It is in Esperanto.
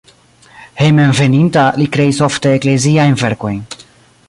Hejmenveninta li kreis ofte ekleziajn verkojn.